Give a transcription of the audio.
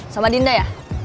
sama dinda ya